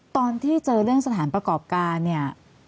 ตอนที่เจอเรื่องสถานประกอบการเนี่ย